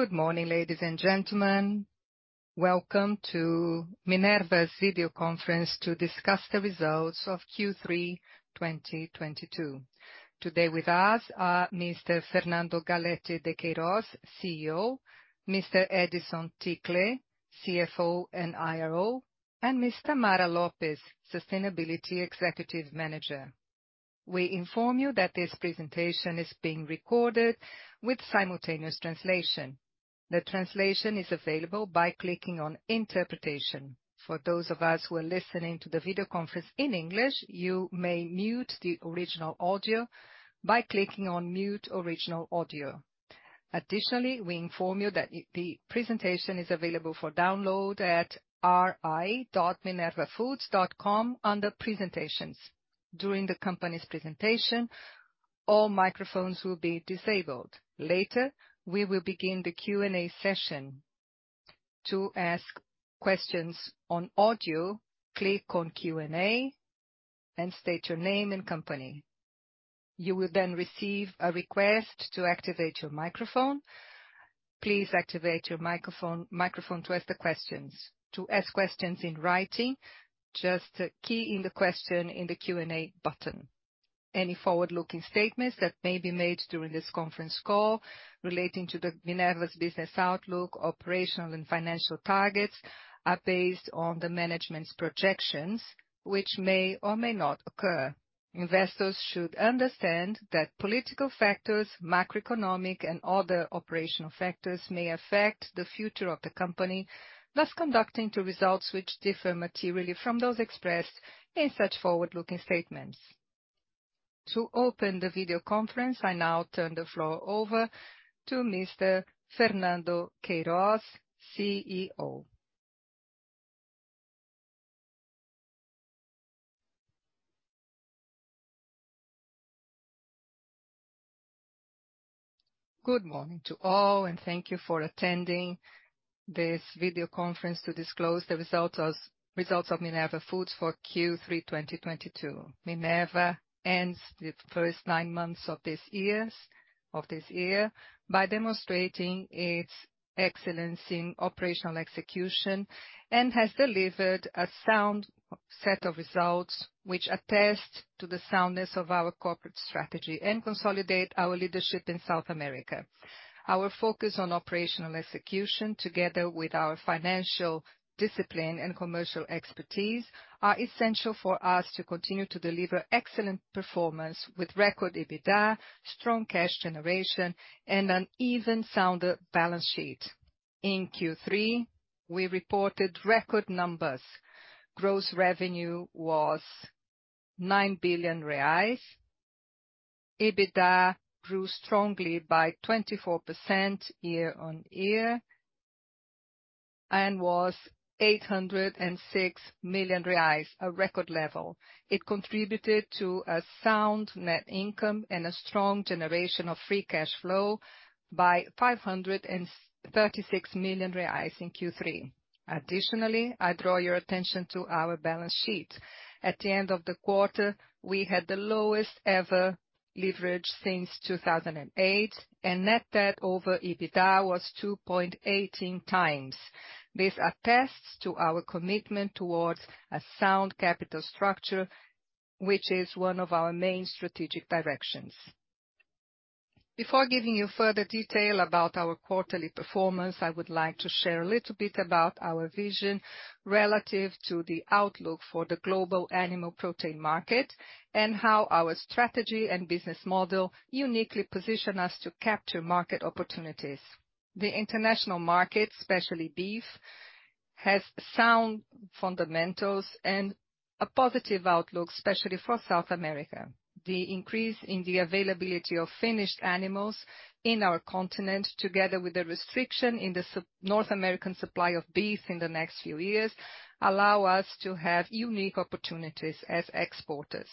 Good morning, ladies and gentlemen. Welcome to Minerva's video conference to discuss the results of Q3 2022. Today with us are Mr. Fernando Galletti de Queiroz, CEO, Mr. Edison Ticle, CFO and IRO, and Ms. Tamara Lopes, Sustainability Executive Manager. We inform you that this presentation is being recorded with simultaneous translation. The translation is available by clicking on Interpretation. For those of us who are listening to the video conference in English, you may mute the original audio by clicking on Mute Original Audio. Additionally, we inform you that the presentation is available for download at ri.minervafoods.com under Presentations. During the company's presentation, all microphones will be disabled. Later, we will begin the Q&A session. To ask questions on audio, click on Q&A and state your name and company. You will then receive a request to activate your microphone. Please activate your microphone to ask the questions. To ask questions in writing, just key in the question in the Q&A button. Any forward-looking statements that may be made during this conference call relating to the Minerva's business outlook, operational and financial targets are based on the management's projections, which may or may not occur. Investors should understand that political factors, macroeconomic and other operational factors may affect the future of the company, thus conducting to results which differ materially from those expressed in such forward-looking statements. To open the video conference, I now turn the floor over to Mr. Fernando Galletti de Queiroz, CEO. Good morning to all, and thank you for attending this video conference to disclose the results of Minerva Foods for Q3 2022. Minerva ends the first nine months of this year by demonstrating its excellence in operational execution, and has delivered a sound set of results which attest to the soundness of our corporate strategy and consolidate our leadership in South America. Our focus on operational execution, together with our financial discipline and commercial expertise, are essential for us to continue to deliver excellent performance with record EBITDA, strong cash generation, and an even sounder balance sheet. In Q3, we reported record numbers. Gross revenue was BRL 9 billion. EBITDA grew strongly by 24% year-on-year and was 806 million reais, a record level. It contributed to a sound net income and a strong generation of free cash flow by 536 million reais in Q3. Additionally, I draw your attention to our balance sheet. At the end of the quarter, we had the lowest ever leverage since 2008, and net debt over EBITDA was 2.18 times. This attests to our commitment toward a sound capital structure, which is one of our main strategic directions. Before giving you further detail about our quarterly performance, I would like to share a little bit about our vision relative to the outlook for the global animal protein market and how our strategy and business model uniquely position us to capture market opportunities. The international market, especially beef, has sound fundamentals and a positive outlook, especially for South America. The increase in the availability of finished animals in our continent, together with the restriction in the North American supply of beef in the next few years, allow us to have unique opportunities as exporters.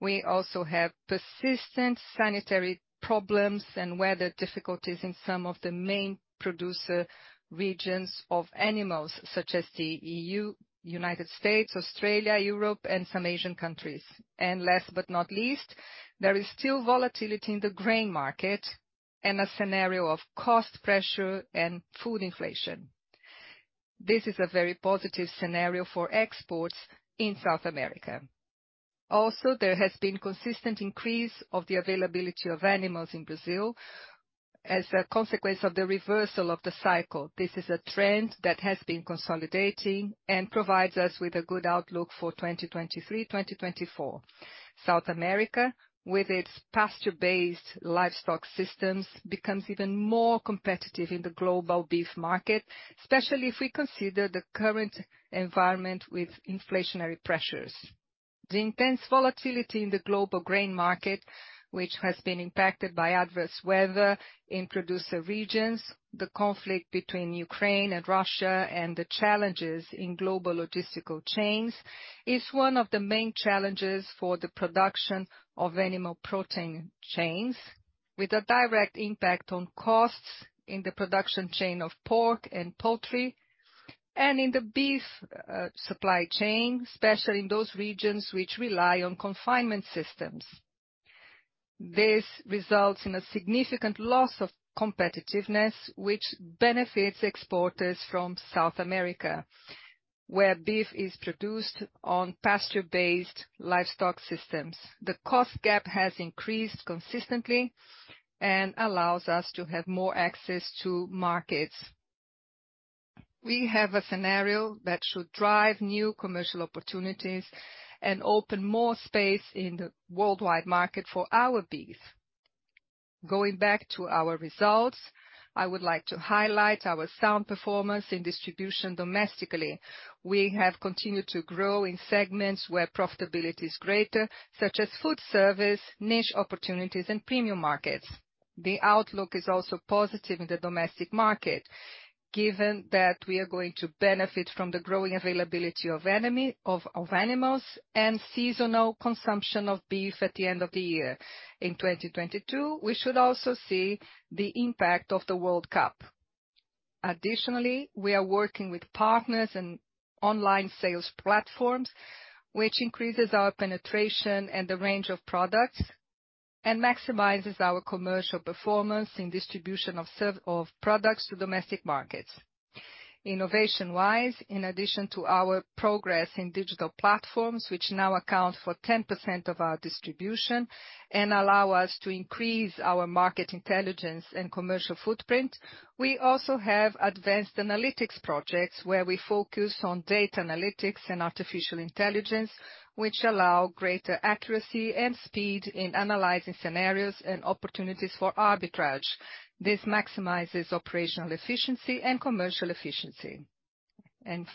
We also have persistent sanitary problems and weather difficulties in some of the main producer regions of animals such as the EU, United States, Australia, Europe, and some Asian countries. Last but not least, there is still volatility in the grain market and a scenario of cost pressure and food inflation. This is a very positive scenario for exports in South America. Also, there has been consistent increase of the availability of animals in Brazil as a consequence of the reversal of the cycle. This is a trend that has been consolidating and provides us with a good outlook for 2023/2024. South America, with its pasture-based livestock systems, becomes even more competitive in the global beef market, especially if we consider the current environment with inflationary pressures. The intense volatility in the global grain market, which has been impacted by adverse weather in producer regions, the conflict between Ukraine and Russia, and the challenges in global logistical chains, is one of the main challenges for the production of animal protein chains, with a direct impact on costs in the production chain of pork and poultry and in the beef supply chain, especially in those regions which rely on confinement systems. This results in a significant loss of competitiveness, which benefits exporters from South America, where beef is produced on pasture-based livestock systems. The cost gap has increased consistently and allows us to have more access to markets. We have a scenario that should drive new commercial opportunities and open more space in the worldwide market for our beef. Going back to our results, I would like to highlight our sound performance in distribution domestically. We have continued to grow in segments where profitability is greater, such as food service, niche opportunities, and premium markets. The outlook is also positive in the domestic market, given that we are going to benefit from the growing availability of animals and seasonal consumption of beef at the end of the year. In 2022, we should also see the impact of the World Cup. Additionally, we are working with partners and online sales platforms, which increases our penetration and the range of products and maximizes our commercial performance in distribution of products to domestic markets. Innovation-wise, in addition to our progress in digital platforms, which now account for 10% of our distribution and allow us to increase our market intelligence and commercial footprint, we also have advanced analytics projects where we focus on data analytics and artificial intelligence, which allow greater accuracy and speed in analyzing scenarios and opportunities for arbitrage. This maximizes operational efficiency and commercial efficiency.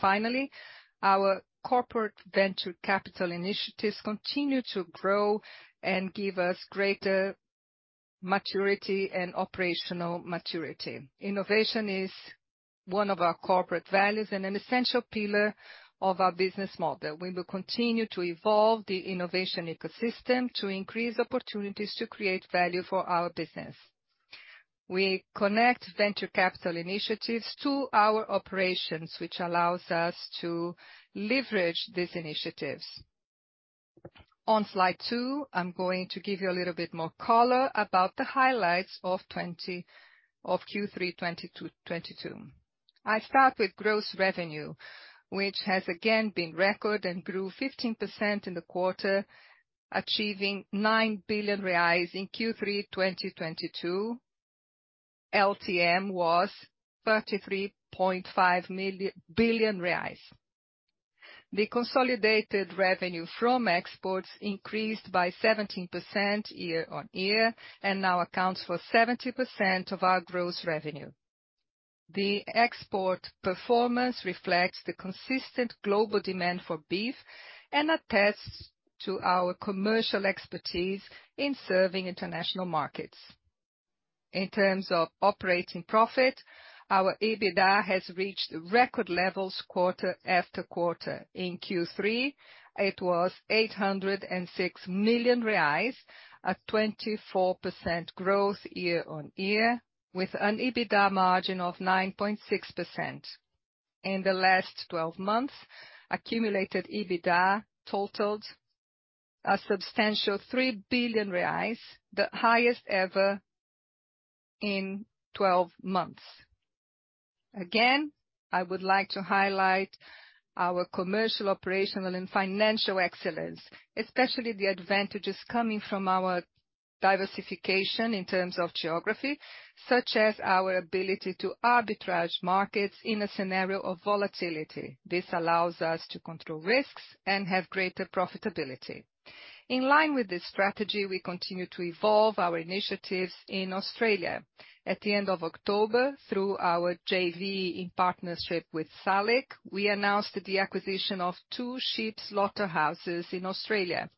Finally, our corporate venture capital initiatives continue to grow and give us greater maturity and operational maturity. Innovation is one of our corporate values and an essential pillar of our business model. We will continue to evolve the innovation ecosystem to increase opportunities to create value for our business. We connect venture capital initiatives to our operations, which allows us to leverage these initiatives. On slide two, I'm going to give you a little bit more color about the highlights of Q3 2022. I start with gross revenue, which has again been record and grew 15% in the quarter, achieving 9 billion reais in Q3 2022. LTM was 33.5 billion reais. The consolidated revenue from exports increased by 17% year-on-year and now accounts for 70% of our gross revenue. The export performance reflects the consistent global demand for beef and attests to our commercial expertise in serving international markets. In terms of operating profit, our EBITDA has reached record levels quarter after quarter. In Q3, it was 806 million reais, a 24% growth year-on-year, with an EBITDA margin of 9.6%. In the last 12 months, accumulated EBITDA totaled a substantial 3 billion reais, the highest ever in 12 months. Again, I would like to highlight our commercial, operational, and financial excellence, especially the advantages coming from our diversification in terms of geography, such as our ability to arbitrage markets in a scenario of volatility. This allows us to control risks and have greater profitability. In line with this strategy, we continue to evolve our initiatives in Australia. At the end of October, through our JV in partnership with SALIC, we announced the acquisition of two sheep slaughterhouses in Australia,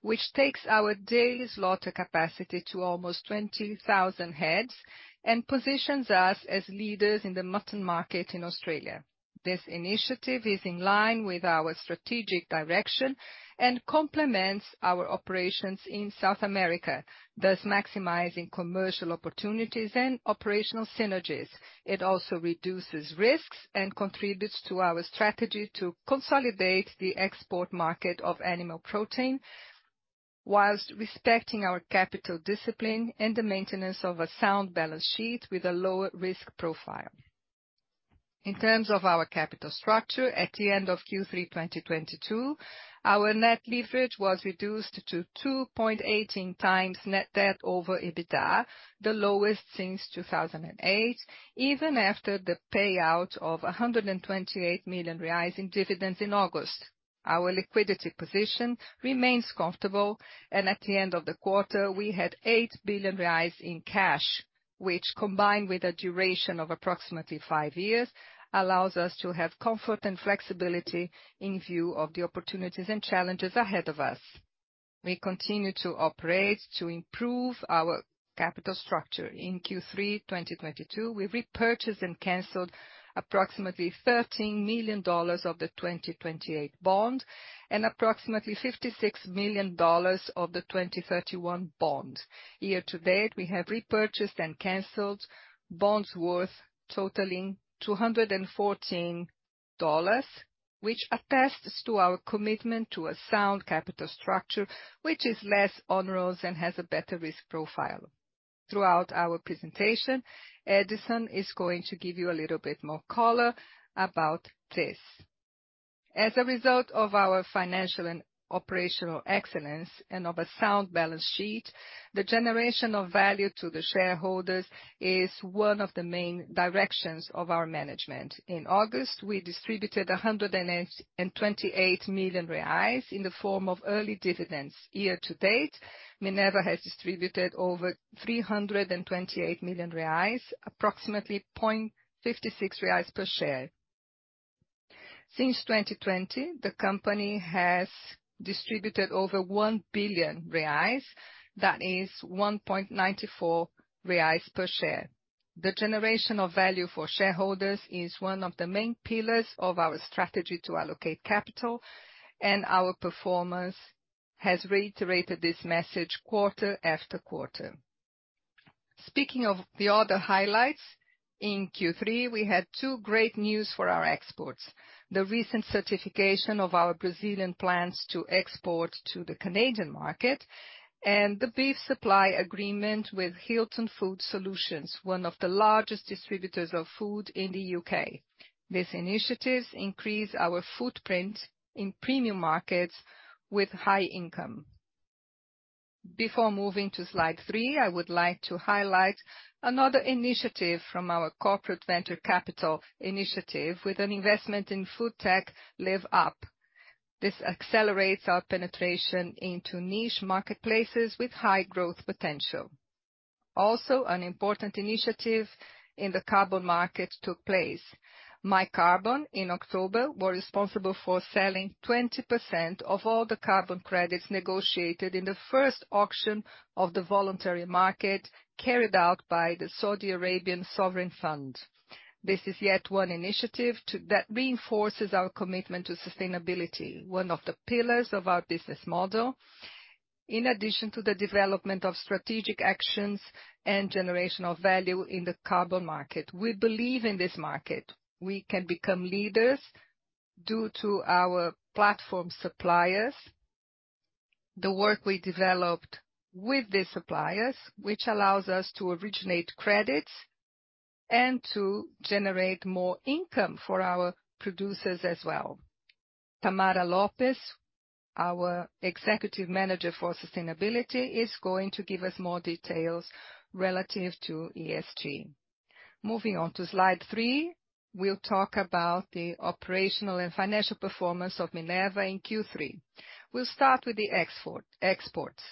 which takes our daily slaughter capacity to almost 20,000 heads and positions us as leaders in the mutton market in Australia. This initiative is in line with our strategic direction and complements our operations in South America, thus maximizing commercial opportunities and operational synergies. It also reduces risks and contributes to our strategy to consolidate the export market of animal protein while respecting our capital discipline and the maintenance of a sound balance sheet with a lower risk profile. In terms of our capital structure, at the end of Q3 2022, our net leverage was reduced to 2.18 times net debt over EBITDA, the lowest since 2008, even after the payout of 128 million reais in dividends in August. Our liquidity position remains comfortable, and at the end of the quarter, we had 8 billion reais in cash, which, combined with a duration of approximately 5 years, allows us to have comfort and flexibility in view of the opportunities and challenges ahead of us. We continue to operate to improve our capital structure. In Q3 2022, we repurchased and canceled approximately $13 million of the 2028 bond and approximately $56 million of the 2031 bond. Year to date, we have repurchased and canceled bonds worth totaling $214 million, which attests to our commitment to a sound capital structure, which is less onerous and has a better risk profile. Throughout our presentation, Edison is going to give you a little bit more color about this. As a result of our financial and operational excellence and of a sound balance sheet, the generation of value to the shareholders is one of the main directions of our management. In August, we distributed 128 million reais in the form of early dividends. Year to date, Minerva has distributed over 328 million reais, approximately 0.56 reais per share. Since 2020, the company has distributed over 1 billion reais. That is 1.94 reais per share. The generation of value for shareholders is one of the main pillars of our strategy to allocate capital, and our performance has reiterated this message quarter after quarter. Speaking of the other highlights, in Q3, we had two great news for our exports. The recent certification of our Brazilian plants to export to the Canadian market and the beef supply agreement with Hilton Food Solutions, one of the largest distributors of food in the UK. These initiatives increase our footprint in premium markets with high income. Before moving to slide 3, I would like to highlight another initiative from our corporate venture capital initiative with an investment in food tech, Liv Up. This accelerates our penetration into niche marketplaces with high growth potential. Also, an important initiative in the carbon market took place. MyCarbon, in October, were responsible for selling 20% of all the carbon credits negotiated in the first auction of the voluntary market carried out by the Saudi Arabian Sovereign Fund. This is yet one initiative that reinforces our commitment to sustainability, one of the pillars of our business model. In addition to the development of strategic actions and generational value in the carbon market, we believe in this market. We can become leaders due to our platform suppliers, the work we developed with the suppliers, which allows us to originate credits and to generate more income for our producers as well. Tamara Lopes, our Executive Manager for Sustainability, is going to give us more details relative to ESG. Moving on to slide three, we'll talk about the operational and financial performance of Minerva in Q3. We'll start with exports.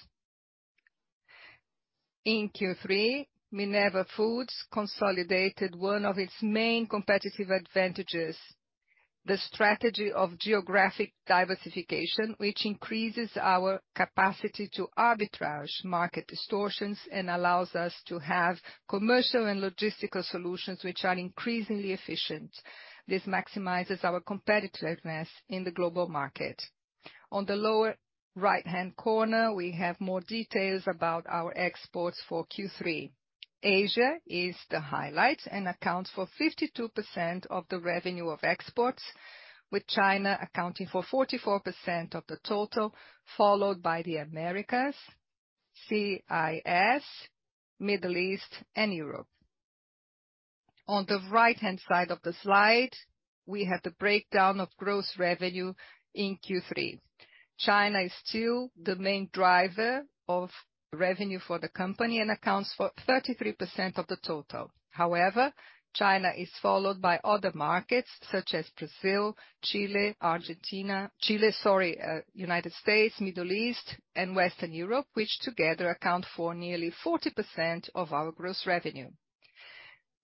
In Q3, Minerva Foods consolidated one of its main competitive advantages, the strategy of geographic diversification, which increases our capacity to arbitrage market distortions and allows us to have commercial and logistical solutions which are increasingly efficient. This maximizes our competitiveness in the global market. On the lower right-hand corner, we have more details about our exports for Q3. Asia is the highlight and accounts for 52% of the revenue of exports, with China accounting for 44% of the total, followed by the Americas, CIS, Middle East, and Europe. On the right-hand side of the slide, we have the breakdown of gross revenue in Q3. China is still the main driver of revenue for the company and accounts for 33% of the total. However, China is followed by other markets such as Brazil, Chile, Argentina. United States, Middle East, and Western Europe, which together account for nearly 40% of our gross revenue.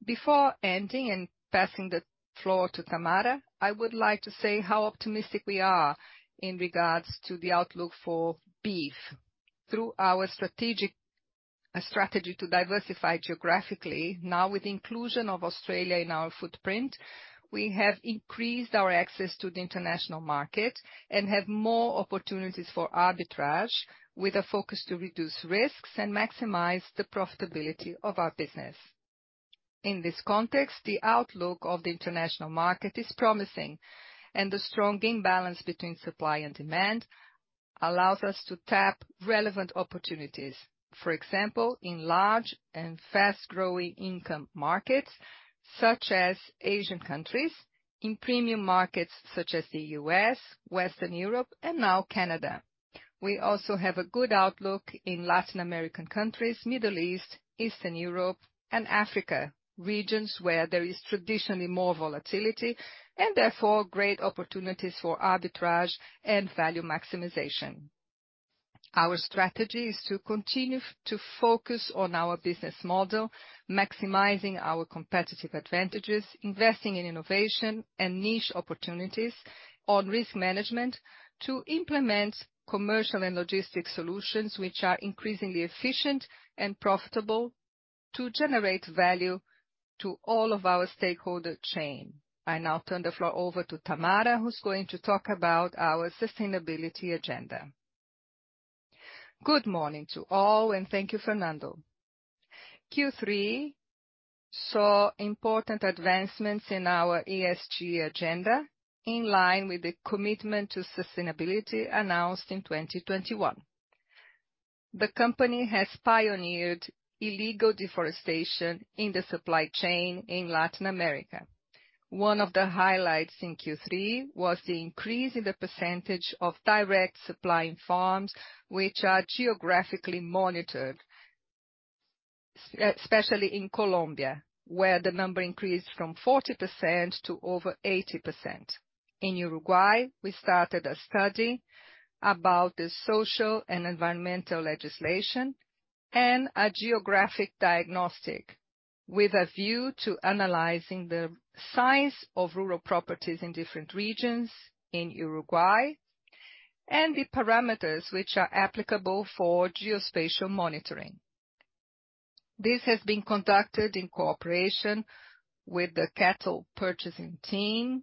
Before ending and passing the floor to Tamara, I would like to say how optimistic we are in regards to the outlook for beef. Through our strategy to diversify geographically, now with the inclusion of Australia in our footprint, we have increased our access to the international market and have more opportunities for arbitrage with a focus to reduce risks and maximize the profitability of our business. In this context, the outlook of the international market is promising, and the strong imbalance between supply and demand allows us to tap relevant opportunities. For example, in large and fast-growing income markets such as Asian countries, in premium markets such as the U.S., Western Europe, and now Canada. We also have a good outlook in Latin American countries, Middle East, Eastern Europe, and Africa, regions where there is traditionally more volatility and therefore great opportunities for arbitrage and value maximization. Our strategy is to continue to focus on our business model, maximizing our competitive advantages, investing in innovation and niche opportunities on risk management to implement commercial and logistics solutions which are increasingly efficient and profitable to generate value to all of our stakeholder chain. I now turn the floor over to Tamara, who's going to talk about our sustainability agenda. Good morning to all, and thank you Fernando. Q3 saw important advancements in our ESG agenda in line with the commitment to sustainability announced in 2021. The company has pioneered illegal deforestation in the supply chain in Latin America. One of the highlights in Q3 was the increase in the percentage of direct supplying farms which are geographically monitored, especially in Colombia, where the number increased from 40% to over 80%. In Uruguay, we started a study about the social and environmental legislation and a geographic diagnostic with a view to analyzing the size of rural properties in different regions in Uruguay and the parameters which are applicable for geospatial monitoring. This has been conducted in cooperation with the cattle purchasing team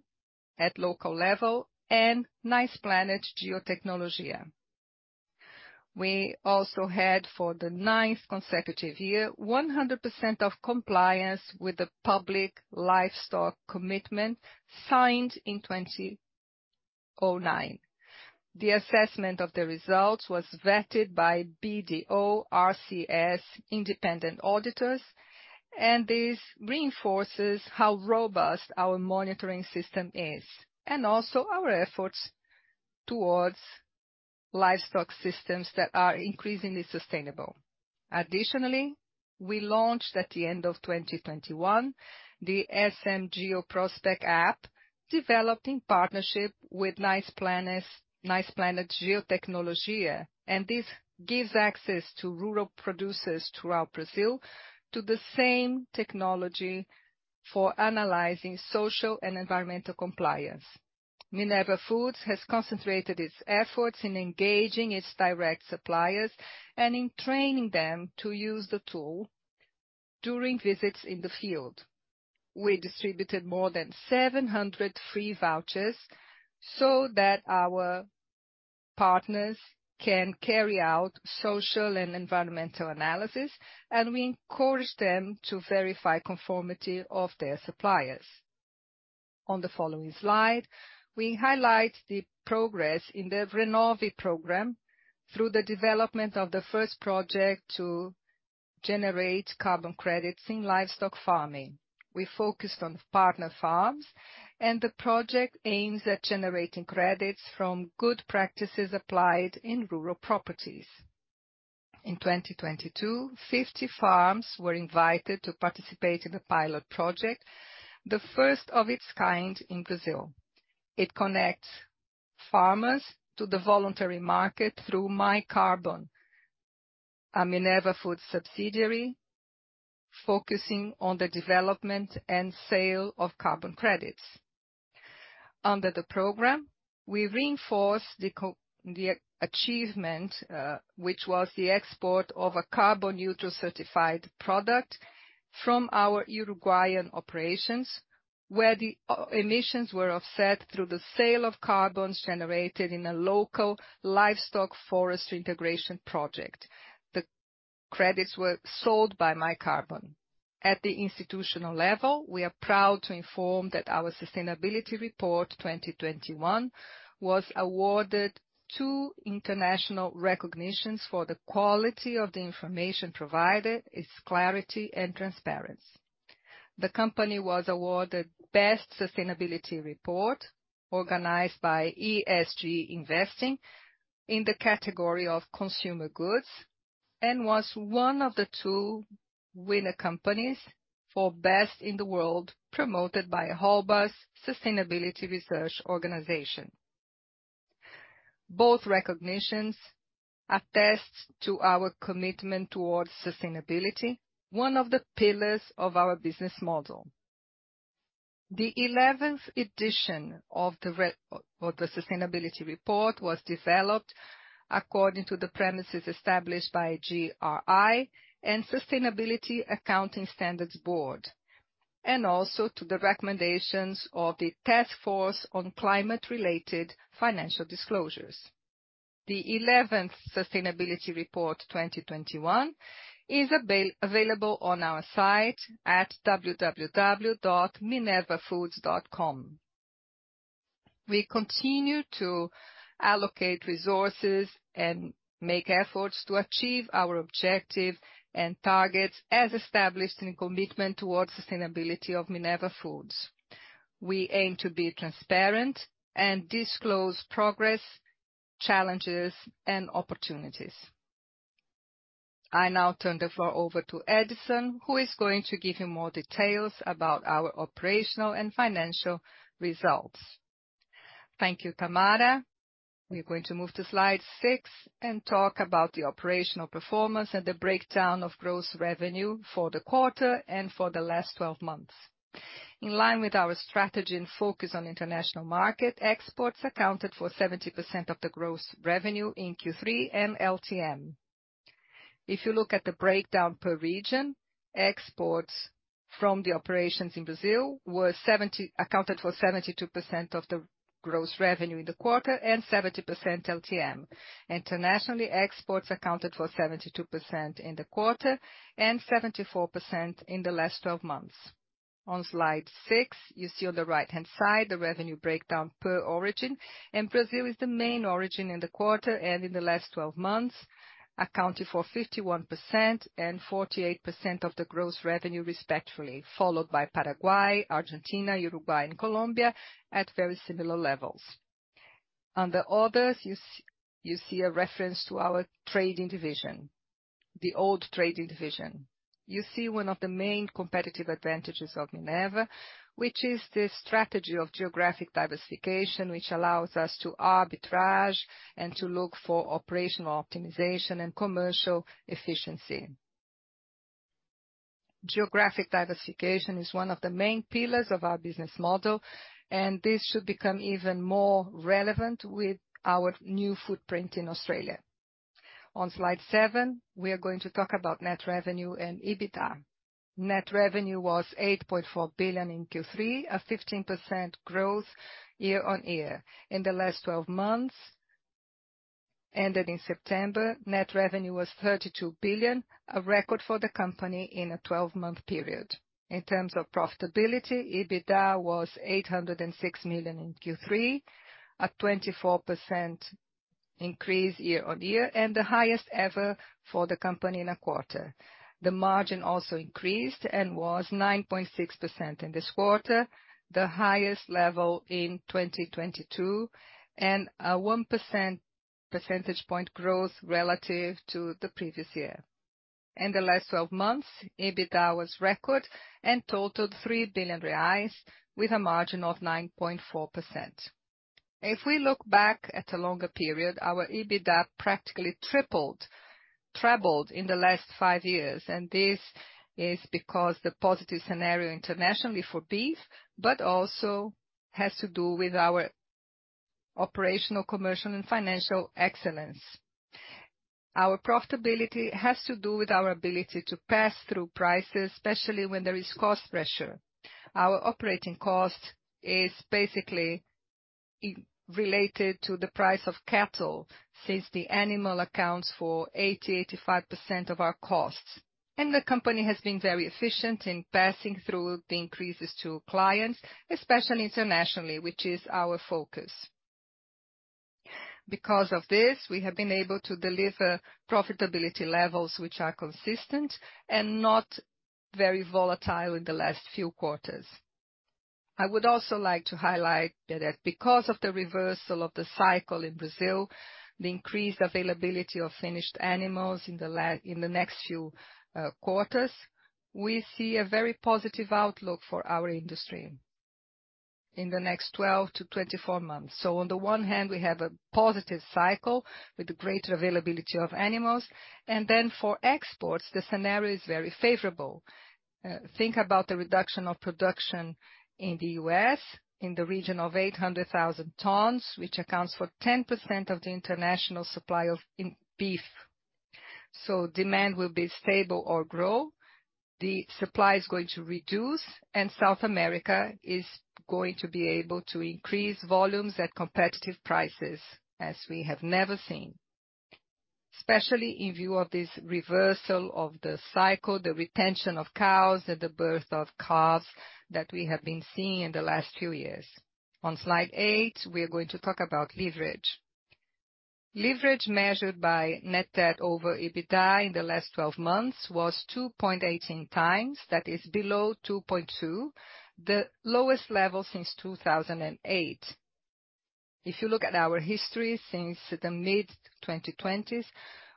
at local level and Niceplanet Geotecnologia. We also had, for the ninth consecutive year, 100% of compliance with the public livestock commitment signed in 2009. The assessment of the results was vetted by BDO RCS independent auditors, and this reinforces how robust our monitoring system is and also our efforts towards livestock systems that are increasingly sustainable. Additionally, we launched at the end of 2021, the SMGeo Prospec app, developed in partnership with Niceplanet Geotecnologia. This gives access to rural producers throughout Brazil to the same technology for analyzing social and environmental compliance. Minerva Foods has concentrated its efforts in engaging its direct suppliers and in training them to use the tool during visits in the field. We distributed more than 700 free vouchers so that our partners can carry out social and environmental analysis, and we encourage them to verify conformity of their suppliers. On the following slide, we highlight the progress in the Renove Program through the development of the first project to generate carbon credits in livestock farming. We focused on partner farms, and the project aims at generating credits from good practices applied in rural properties. In 2022, 50 farms were invited to participate in the pilot project, the first of its kind in Brazil. It connects farmers to the voluntary market through MyCarbon, a Minerva Foods subsidiary, focusing on the development and sale of carbon credits. Under the program, we reinforce the achievement, which was the export of a carbon-neutral certified product from our Uruguayan operations, where the emissions were offset through the sale of carbon generated in a local livestock forestry integration project. The credits were sold by MyCarbon. At the institutional level, we are proud to inform that our sustainability report 2021 was awarded 2 international recognitions for the quality of the information provided, its clarity and transparency. The company was awarded Best Sustainability Report, organized by ESG Investing in the category of consumer goods, and was one of the two winner companies for Best in the World, promoted by Hallbars Sustainability Research organization. Both recognitions attest to our commitment toward sustainability, one of the pillars of our business model. The eleventh edition of the sustainability report was developed according to the premises established by GRI and Sustainability Accounting Standards Board, and also to the recommendations of the Task Force on Climate-related Financial Disclosures. The eleventh sustainability report 2021 is available on our site at www.minervafoods.com. We continue to allocate resources and make efforts to achieve our objective and targets as established in commitment toward sustainability of Minerva Foods. We aim to be transparent and disclose progress, challenges, and opportunities. I now turn the floor over to Edison, who is going to give you more details about our operational and financial results. Thank you, Tamara. We're going to move to slide 6 and talk about the operational performance and the breakdown of gross revenue for the quarter and for the last twelve months. In line with our strategy and focus on international market, exports accounted for 70% of the gross revenue in Q3 and LTM. If you look at the breakdown per region, exports from the operations in Brazil accounted for 72% of the gross revenue in the quarter and 70% LTM. Internationally, exports accounted for 72% in the quarter and 74% in the last twelve months. On slide six, you see on the right-hand side the revenue breakdown per origin, and Brazil is the main origin in the quarter and in the last 12 months, accounting for 51% and 48% of the gross revenue respectively, followed by Paraguay, Argentina, Uruguay, and Colombia at very similar levels. Under others, you see a reference to our trading division, the old trading division. You see one of the main competitive advantages of Minerva, which is the strategy of geographic diversification, which allows us to arbitrage and to look for operational optimization and commercial efficiency. Geographic diversification is one of the main pillars of our business model, and this should become even more relevant with our new footprint in Australia. On slide seven, we are going to talk about net revenue and EBITDA. Net revenue was 8.4 billion in Q3, a 15% growth year-on-year. In the last 12 months ended in September, net revenue was 32 billion, a record for the company in a 12-month period. In terms of profitability, EBITDA was 806 million in Q3, a 24% increase year-on-year, and the highest ever for the company in a quarter. The margin also increased and was 9.6% in this quarter, the highest level in 2022, and a 1 percentage point growth relative to the previous year. In the last 12 months, EBITDA was record and totaled 3 billion reais with a margin of 9.4%. If we look back at a longer period, our EBITDA practically tripled, trebled in the last five years, and this is because the positive scenario internationally for beef, but also has to do with our operational, commercial, and financial excellence. Our profitability has to do with our ability to pass through prices, especially when there is cost pressure. Our operating cost is basically related to the price of cattle, since the animal accounts for 80%-85% of our costs. The company has been very efficient in passing through the increases to clients, especially internationally, which is our focus. Because of this, we have been able to deliver profitability levels which are consistent and not very volatile in the last few quarters. I would also like to highlight that because of the reversal of the cycle in Brazil, the increased availability of finished animals in the next few quarters, we see a very positive outlook for our industry in the next 12-24 months. On the one hand, we have a positive cycle with greater availability of animals, and then for exports, the scenario is very favorable. Think about the reduction of production in the US in the region of 800,000 tons, which accounts for 10% of the international supply of beef. Demand will be stable or grow. The supply is going to reduce, and South America is going to be able to increase volumes at competitive prices, as we have never seen, especially in view of this reversal of the cycle, the retention of cows at the birth of calves that we have been seeing in the last few years. On slide 8, we are going to talk about leverage. Leverage measured by net debt over EBITDA in the last 12 months was 2.18x. That is below 2.2x, the lowest level since 2008. If you look at our history since the mid-2020s,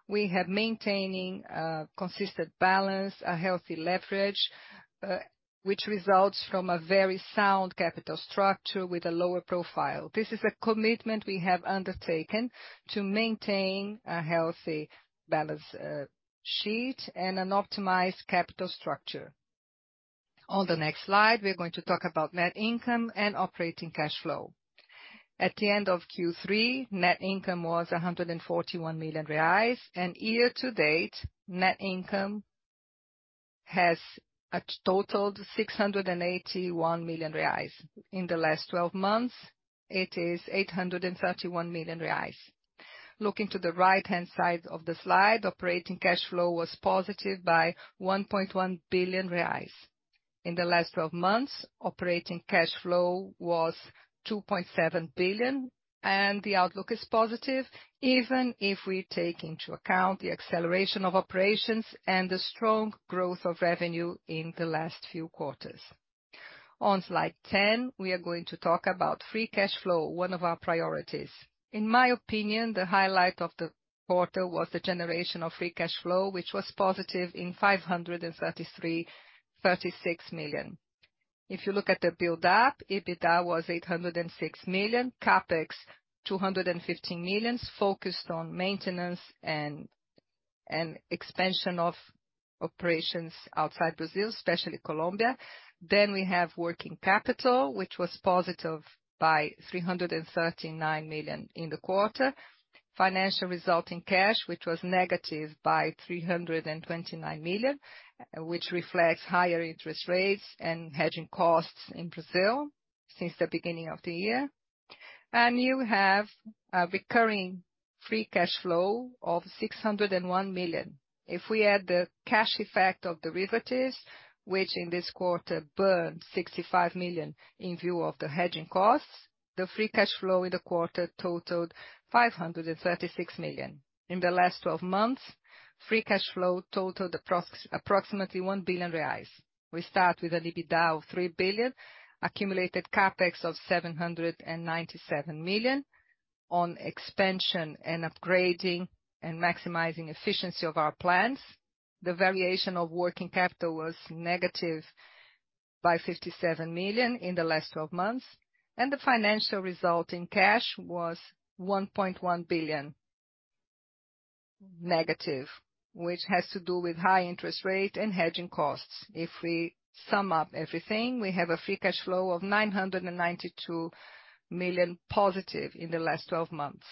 we have maintaining a consistent balance, a healthy leverage, which results from a very sound capital structure with a lower profile. This is a commitment we have undertaken to maintain a healthy balance sheet and an optimized capital structure. On the next slide, we are going to talk about net income and operating cash flow. At the end of Q3, net income was 141 million reais, and year to date, net income has totaled 681 million reais. In the last twelve months, it is 831 million reais. Looking to the right-hand side of the slide, operating cash flow was positive by 1.1 billion reais. In the last twelve months, operating cash flow was 2.7 billion, and the outlook is positive, even if we take into account the acceleration of operations and the strong growth of revenue in the last few quarters. On slide ten, we are going to talk about free cash flow, one of our priorities. In my opinion, the highlight of the quarter was the generation of free cash flow, which was positive 536 million. If you look at the build-up, EBITDA was 806 million. CapEx, 215 million, focused on maintenance and expansion of operations outside Brazil, especially Colombia. Then we have working capital, which was positive by 339 million in the quarter. Financial result in cash, which was negative by 329 million, which reflects higher interest rates and hedging costs in Brazil since the beginning of the year. You have a recurring free cash flow of 601 million. If we add the cash effect of derivatives, which in this quarter burned 65 million in view of the hedging costs, the free cash flow in the quarter totaled 536 million. In the last 12 months, free cash flow totaled approximately 1 billion reais. We start with an EBITDA of 3 billion, accumulated CapEx of 797 million on expansion and upgrading and maximizing efficiency of our plants. The variation of working capital was negative by 57 million in the last 12 months, and the financial result in cash was 1.1 billion negative, which has to do with high interest rate and hedging costs. If we sum up everything, we have a free cash flow of 992 million positive in the last 12 months.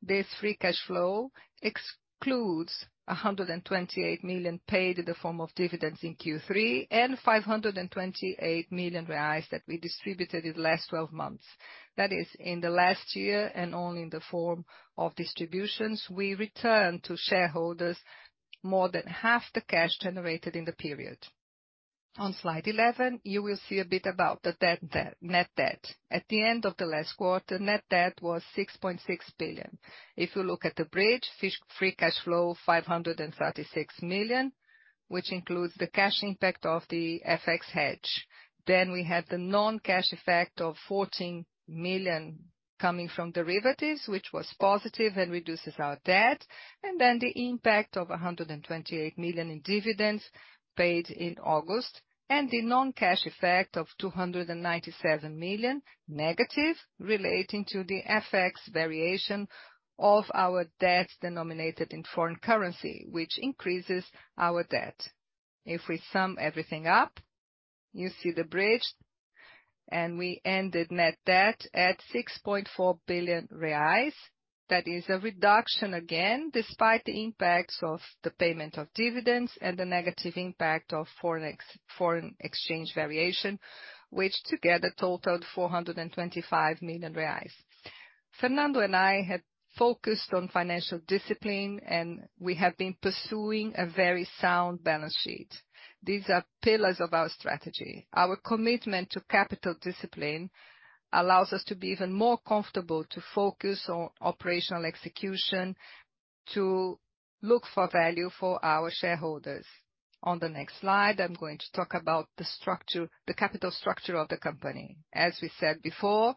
This free cash flow excludes 128 million paid in the form of dividends in Q3 and 528 million reais that we distributed in the last 12 months. That is in the last year, and only in the form of distributions, we returned to shareholders more than half the cash generated in the period. On slide 11, you will see a bit about the debt, net debt. At the end of the last quarter, net debt was 6.6 billion. If you look at the bridge, free cash flow, 536 million, which includes the cash impact of the FX hedge. We have the non-cash effect of 14 million coming from derivatives, which was positive and reduces our debt. The impact of 128 million in dividends paid in August and the non-cash effect of 297 million negative relating to the FX variation of our debts denominated in foreign currency, which increases our debt. If we sum everything up, you see the bridge, and we ended net debt at 6.4 billion reais. That is a reduction again, despite the impacts of the payment of dividends and the negative impact of foreign exchange variation, which together totaled 425 million reais. Fernando and I have focused on financial discipline, and we have been pursuing a very sound balance sheet. These are pillars of our strategy. Our commitment to capital discipline allows us to be even more comfortable to focus on operational execution to look for value for our shareholders. On the next slide, I'm going to talk about the structure, the capital structure of the company. As we said before,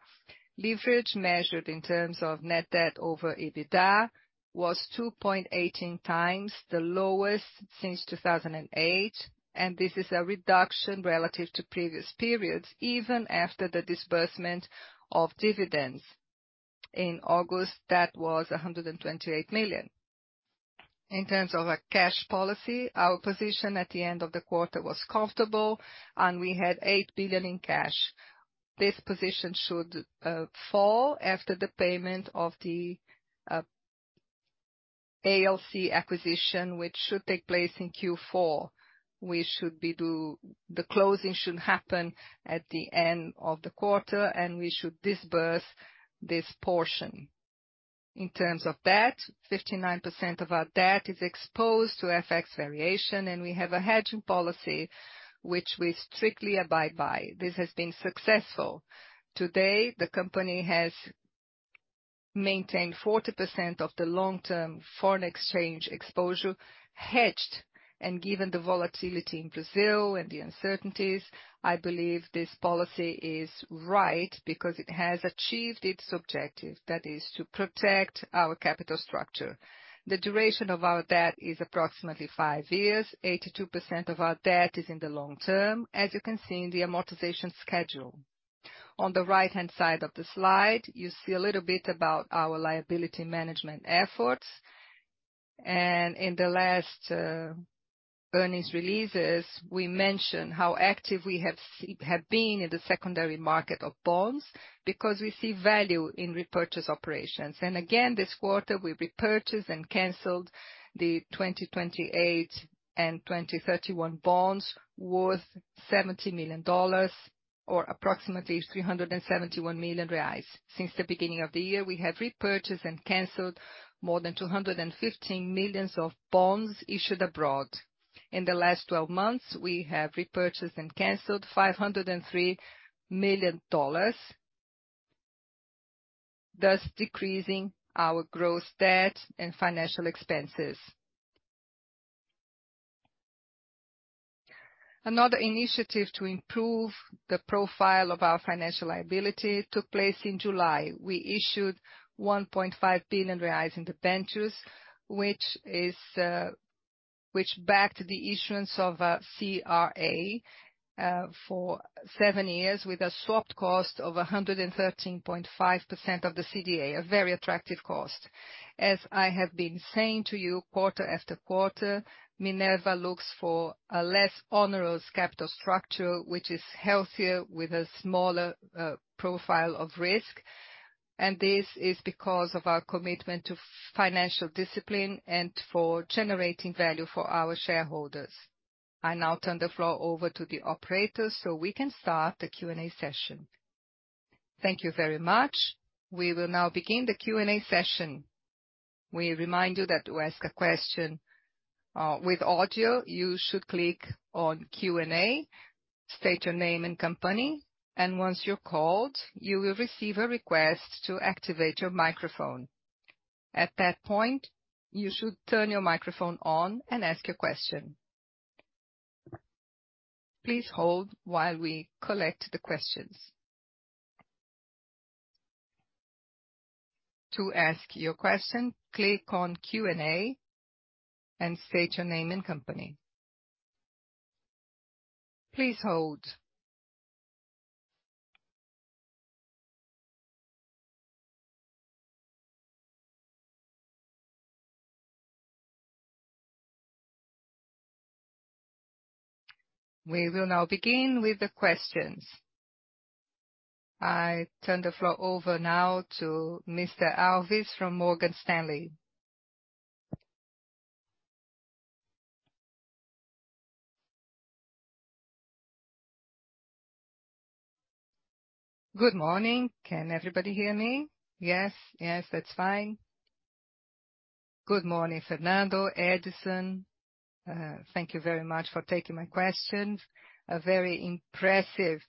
leverage measured in terms of net debt over EBITDA was 2.18x the lowest since 2008, and this is a reduction relative to previous periods, even after the disbursement of dividends. In August, that was 128 million. In terms of our cash policy, our position at the end of the quarter was comfortable, and we had 8 billion in cash. This position should fall after the payment of the ALC acquisition, which should take place in Q4. The closing should happen at the end of the quarter, and we should disburse this portion. In terms of debt, 59% of our debt is exposed to FX variation, and we have a hedging policy, which we strictly abide by. This has been successful. To date, the company has maintained 40% of the long-term foreign exchange exposure hedged. Given the volatility in Brazil and the uncertainties, I believe this policy is right because it has achieved its objective. That is to protect our capital structure. The duration of our debt is approximately five years. 82% of our debt is in the long term, as you can see in the amortization schedule. On the right-hand side of the slide, you see a little bit about our liability management efforts. In the last earnings releases, we mentioned how active we have been in the secondary market of bonds because we see value in repurchase operations. Again, this quarter we repurchased and canceled the 2028 and 2031 bonds worth $70 million or approximately 371 million reais. Since the beginning of the year, we have repurchased and canceled more than $215 million of bonds issued abroad. In the last twelve months, we have repurchased and canceled $503 million, thus decreasing our gross debt and financial expenses. Another initiative to improve the profile of our financial liability took place in July. We issued 1.5 billion reais in debentures, which backed the issuance of CRA for seven years with a swapped cost of 113.5% of the CDI, a very attractive cost. I have been saying to you quarter after quarter, Minerva looks for a less onerous capital structure which is healthier with a smaller profile of risk. This is because of our commitment to financial discipline and for generating value for our shareholders. I now turn the floor over to the operator so we can start the Q&A session. Thank you very much. We will now begin the Q&A session. We remind you that to ask a question, with audio, you should click on Q&A, state your name and company, and once you're called, you will receive a request to activate your microphone. At that point, you should turn your microphone on and ask your question. Please hold while we collect the questions. To ask your question, click on Q&A and state your name and company. Please hold. We will now begin with the questions. I turn the floor over now to Mr. Alves from Morgan Stanley. Good morning. Can everybody hear me? Yes? Yes, that's fine. Good morning, Fernando, Edison. Thank you very much for taking my questions. A very impressive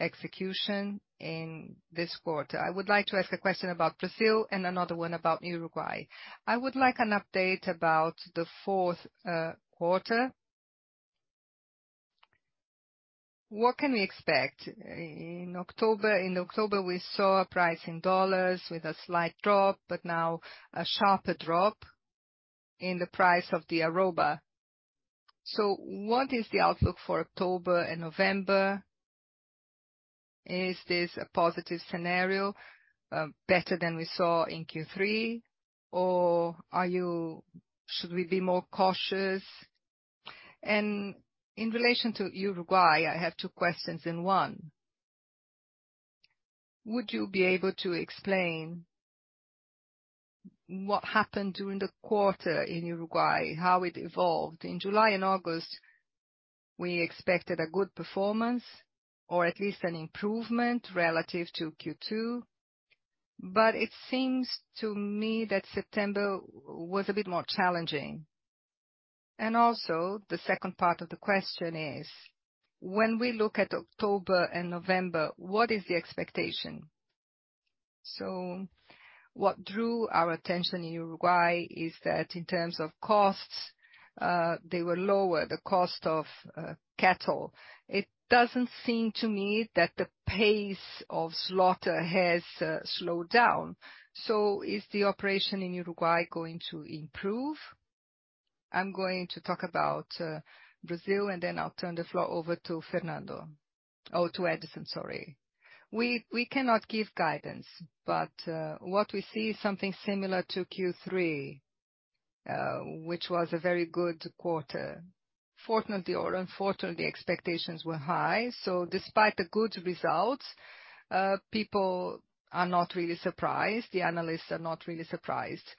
execution in this quarter. I would like to ask a question about Brazil and another one about Uruguay. I would like an update about the Q4. What can we expect in October? In October, we saw a price in dollars with a slight drop, but now a sharper drop in the price of the arroba. What is the outlook for October and November? Is this a positive scenario, better than we saw in Q3? Or should we be more cautious? In relation to Uruguay, I have two questions in one. Would you be able to explain what happened during the quarter in Uruguay, how it evolved? In July and August, we expected a good performance, or at least an improvement relative to Q2, but it seems to me that September was a bit more challenging. Also, the second part of the question is: when we look at October and November, what is the expectation? What drew our attention in Uruguay is that in terms of costs, they were lower, the cost of cattle. It doesn't seem to me that the pace of slaughter has slowed down. Is the operation in Uruguay going to improve? I'm going to talk about Brazil, and then I'll turn the floor over to Fernando. Oh, to Edison. Sorry. We cannot give guidance, but what we see is something similar to Q3, which was a very good quarter. Fortunately or unfortunately, expectations were high. Despite the good results, people are not really surprised. The analysts are not really surprised.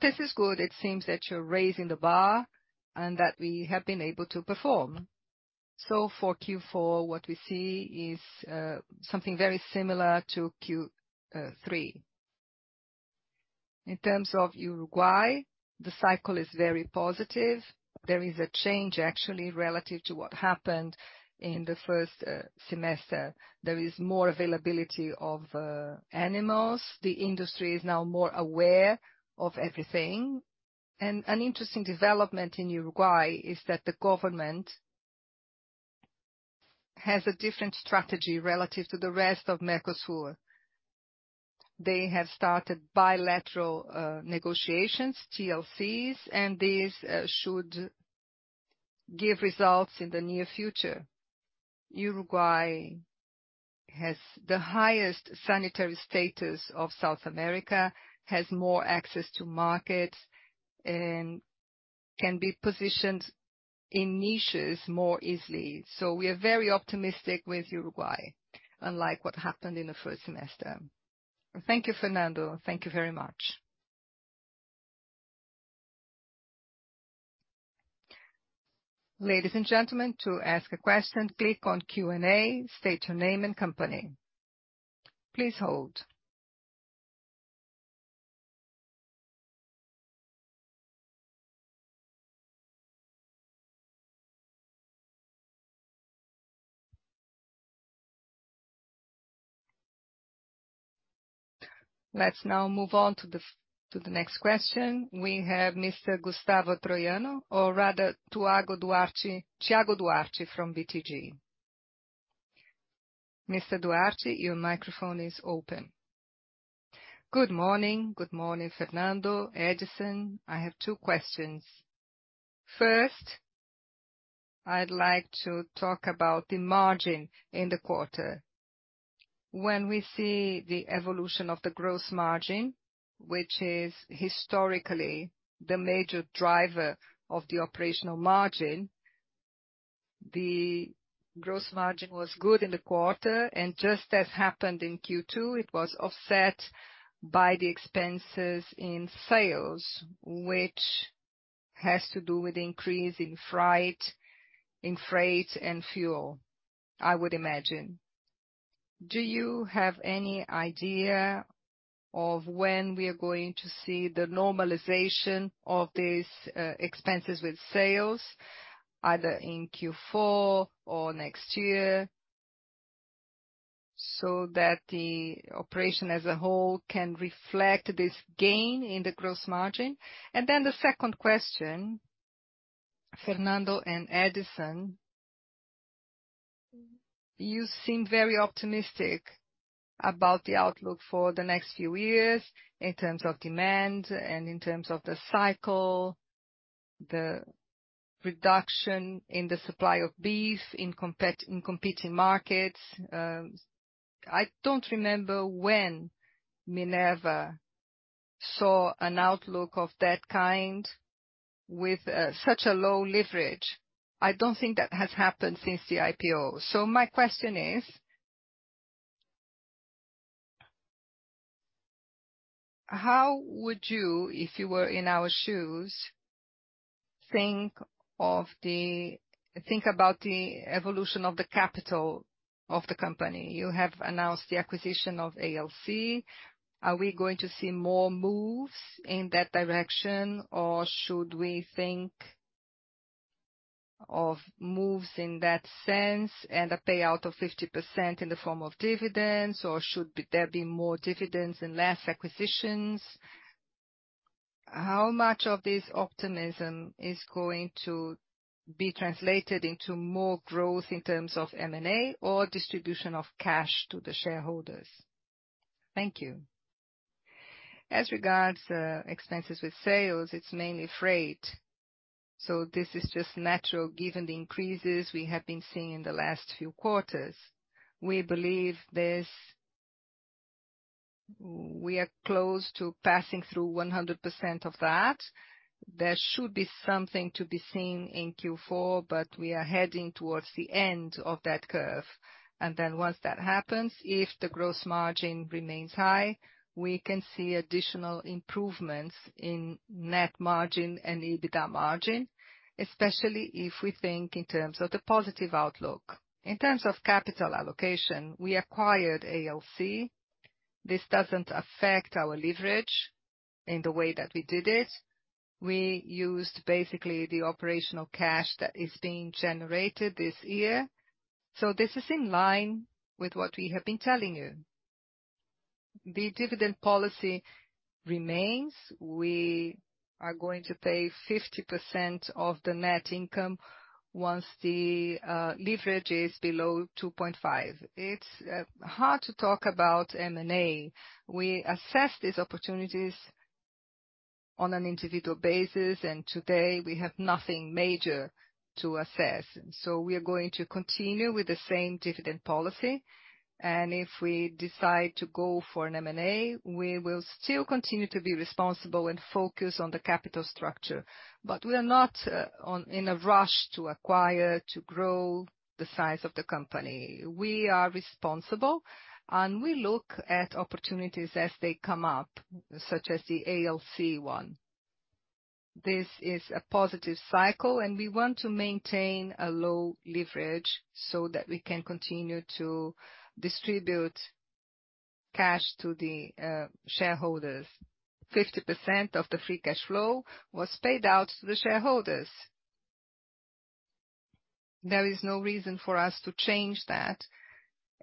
This is good. It seems that you're raising the bar and that we have been able to perform. For Q4, what we see is something very similar to Q3. In terms of Uruguay, the cycle is very positive. There is a change actually relative to what happened in the first semester. There is more availability of animals. The industry is now more aware of everything. An interesting development in Uruguay is that the government has a different strategy relative to the rest of Mercosur. They have started bilateral negotiations, TLCs, and these should give results in the near future. Uruguay has the highest sanitary status of South America, has more access to markets and can be positioned in niches more easily. We are very optimistic with Uruguay, unlike what happened in the first semester. Thank you, Fernando. Thank you very much. Ladies and gentlemen, to ask a question, click on Q&A, state your name and company. Please hold. Let's now move on to the next question. We have Mr. Gustavo Troiano, or rather Thiago Duarte from BTG. Mr. Duarte, your microphone is open. Good morning. Good morning, Fernando, Edison. I have two questions. First, I'd like to talk about the margin in the quarter. When we see the evolution of the gross margin, which is historically the major driver of the operational margin. The gross margin was good in the quarter, and just as happened in Q2, it was offset by the expenses in sales, which has to do with increase in freight and fuel, I would imagine. Do you have any idea of when we are going to see the normalization of these expenses with sales, either in Q4 or next year, so that the operation as a whole can reflect this gain in the gross margin? The second question, Fernando and Edison, you seem very optimistic about the outlook for the next few years in terms of demand and in terms of the cycle, the reduction in the supply of beef in competing markets. I don't remember when Minerva saw an outlook of that kind with such a low leverage. I don't think that has happened since the IPO. My question is, how would you, if you were in our shoes, think about the evolution of the capital of the company? You have announced the acquisition of ALC. Are we going to see more moves in that direction, or should we think of moves in that sense and a payout of 50% in the form of dividends, or should there be more dividends and less acquisitions? How much of this optimism is going to be translated into more growth in terms of M&A or distribution of cash to the shareholders? Thank you. As regards expenses with sales, it's mainly freight. This is just natural given the increases we have been seeing in the last few quarters. We believe we are close to passing through 100% of that. There should be something to be seen in Q4, but we are heading towards the end of that curve. Once that happens, if the gross margin remains high, we can see additional improvements in net margin and EBITDA margin, especially if we think in terms of the positive outlook. In terms of capital allocation, we acquired ALC. This doesn't affect our leverage in the way that we did it. We used basically the operational cash that is being generated this year. This is in line with what we have been telling you. The dividend policy remains. We are going to pay 50% of the net income once the leverage is below 2.5. It's hard to talk about M&A. We assess these opportunities on an individual basis, and today, we have nothing major to assess. We are going to continue with the same dividend policy, and if we decide to go for an M&A, we will still continue to be responsible and focused on the capital structure. But we are not in a rush to acquire, to grow the size of the company. We are responsible, and we look at opportunities as they come up, such as the ALC one. This is a positive cycle, and we want to maintain a low leverage so that we can continue to distribute cash to the shareholders. 50% of the free cash flow was paid out to the shareholders. There is no reason for us to change that,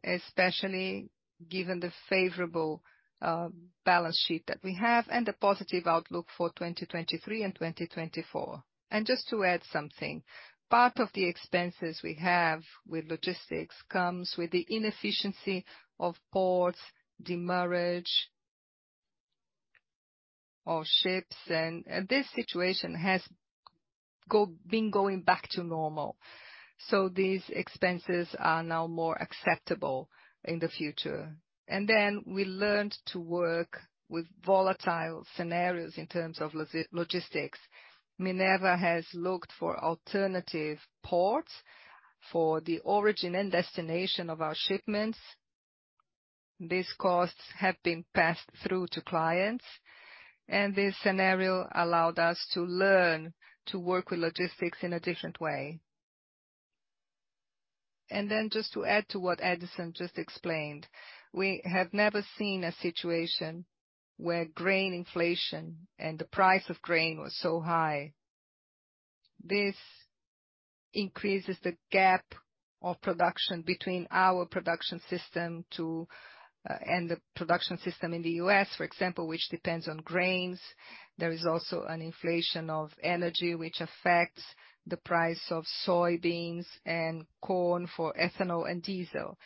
especially given the favorable balance sheet that we have and the positive outlook for 2023 and 2024. Just to add something, part of the expenses we have with logistics comes with the inefficiency of ports, demurrage of ships and this situation has been going back to normal. These expenses are now more acceptable in the future. We learned to work with volatile scenarios in terms of logistics. Minerva has looked for alternative ports for the origin and destination of our shipments. These costs have been passed through to clients, and this scenario allowed us to learn to work with logistics in a different way. Just to add to what Edison just explained, we have never seen a situation where grain inflation and the price of grain was so high. This increases the gap of production between our production system and the production system in the U.S., for example, which depends on grains. There is also an inflation of energy which affects the price of soybeans and corn for ethanol and diesel.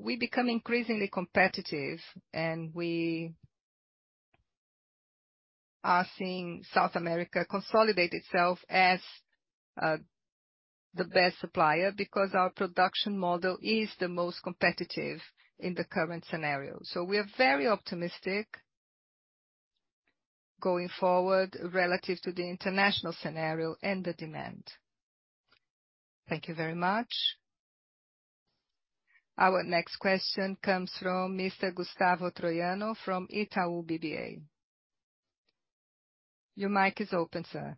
We become increasingly competitive, and we are seeing South America consolidate itself as the best supplier because our production model is the most competitive in the current scenario. We are very optimistic going forward relative to the international scenario and the demand. Thank you very much. Our next question comes from Mr. Gustavo Troiano from Itaú BBA. Your mic is open, sir.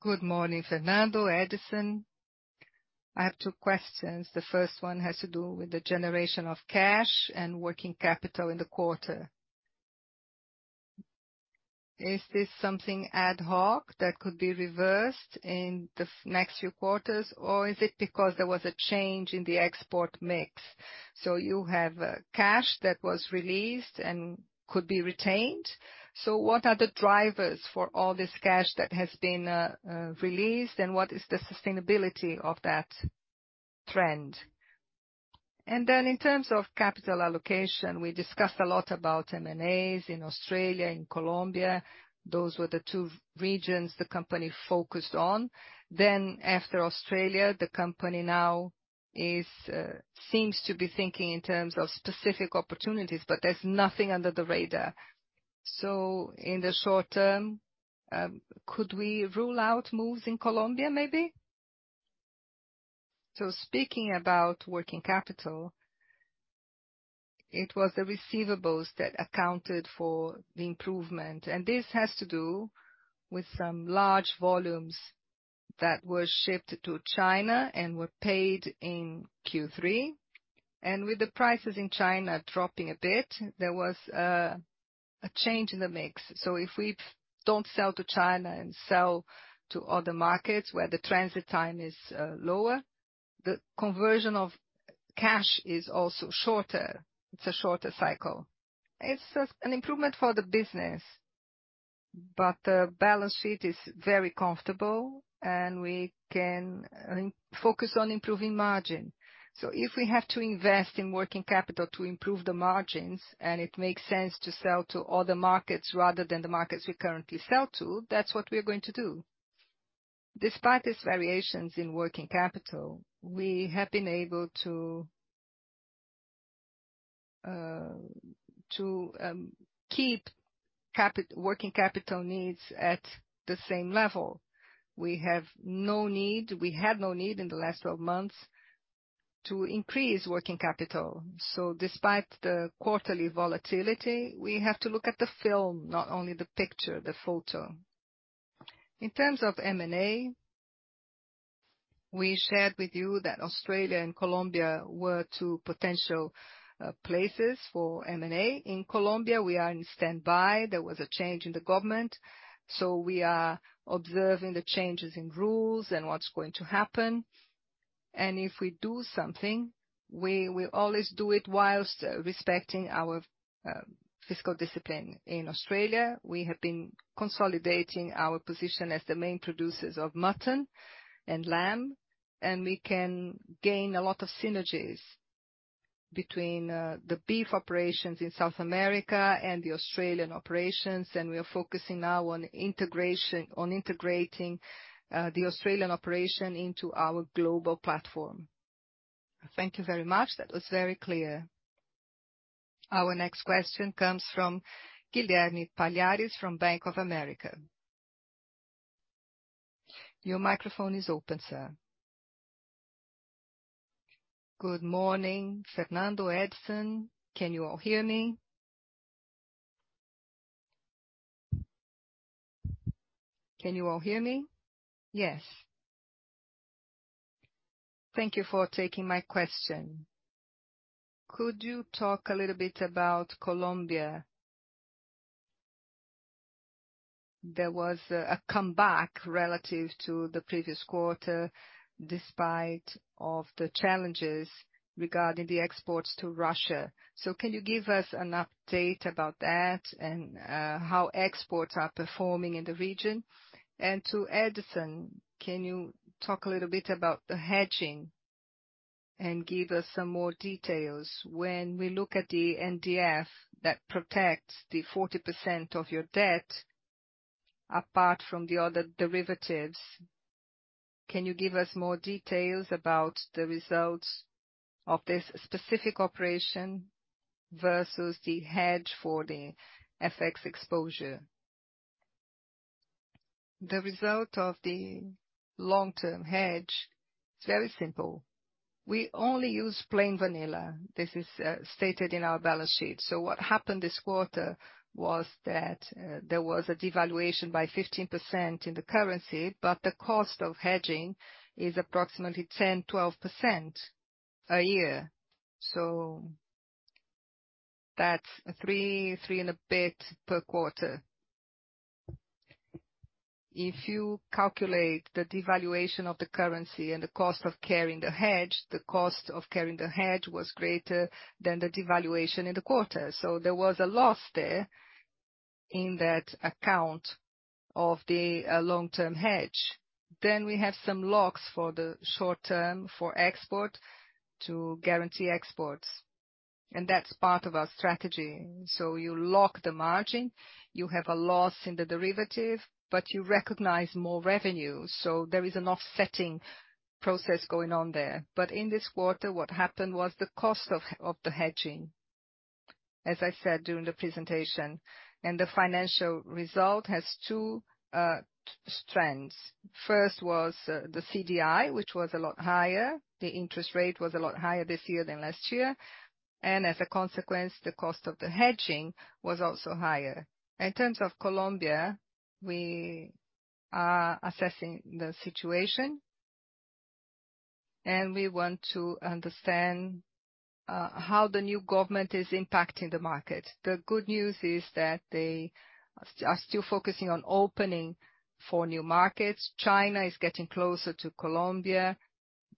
Good morning, Fernando, Eddison. I have two questions. The first one has to do with the generation of cash and working capital in the quarter. Is this something ad hoc that could be reversed in the next few quarters, or is it because there was a change in the export mix? You have cash that was released and could be retained. What are the drivers for all this cash that has been released, and what is the sustainability of that trend? In terms of capital allocation, we discussed a lot about M&As in Australia and Colombia. Those were the two regions the company focused on. After Australia, the company now seems to be thinking in terms of specific opportunities, but there's nothing under the radar. In the short term, could we rule out moves in Colombia, maybe? Speaking about working capital, it was the receivables that accounted for the improvement. This has to do with some large volumes that were shipped to China and were paid in Q3. With the prices in China dropping a bit, there was a change in the mix. If we don't sell to China and sell to other markets where the transit time is lower, the conversion of cash is also shorter. It's a shorter cycle. It's just an improvement for the business. The balance sheet is very comfortable and we can focus on improving margin. If we have to invest in working capital to improve the margins and it makes sense to sell to other markets rather than the markets we currently sell to, that's what we're going to do. Despite these variations in working capital, we have been able to keep working capital needs at the same level. We had no need in the last 12 months to increase working capital. Despite the quarterly volatility, we have to look at the film, not only the picture, the photo. In terms of M&A, we shared with you that Australia and Colombia were two potential places for M&A. In Colombia, we are in standby. There was a change in the government, so we are observing the changes in rules and what's going to happen. If we do something, we will always do it while respecting our fiscal discipline. In Australia, we have been consolidating our position as the main producers of mutton and lamb, and we can gain a lot of synergies between the beef operations in South America and the Australian operations. We are focusing now on integrating the Australian operation into our global platform. Thank you very much. That was very clear. Our next question comes from Guilherme Palhares from Bank of America. Your microphone is open, sir. Good morning, Fernando, Edison. Can you all hear me? Yes. Thank you for taking my question. Could you talk a little bit about Colombia? There was a comeback relative to the previous quarter despite of the challenges regarding the exports to Russia. Can you give us an update about that and how exports are performing in the region? To Edison, can you talk a little bit about the hedging and give us some more details? When we look at the NDF that protects the 40% of your debt, apart from the other derivatives, can you give us more details about the results of this specific operation versus the hedge for the FX exposure? The result of the long-term hedge, it's very simple. We only use plain vanilla. This is stated in our balance sheet. What happened this quarter was that there was a devaluation by 15% in the currency, but the cost of hedging is approximately 10%-12% a year. That's 3 and a bit per quarter. If you calculate the devaluation of the currency and the cost of carrying the hedge, the cost of carrying the hedge was greater than the devaluation in the quarter. There was a loss there in that account of the long term hedge. We have some locks for the short term for export to guarantee exports, and that's part of our strategy. You lock the margin, you have a loss in the derivative, but you recognize more revenue. There is an offsetting process going on there. In this quarter, what happened was the cost of the hedging, as I said during the presentation, and the financial result has two strengths. First was the CDI, which was a lot higher. The interest rate was a lot higher this year than last year, and as a consequence, the cost of the hedging was also higher. In terms of Colombia, we are assessing the situation, and we want to understand how the new government is impacting the market. The good news is that they are still focusing on opening for new markets. China is getting closer to Colombia.